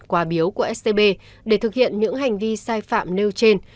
quà biếu của scb để thực hiện những hành vi sai phạm nêu trên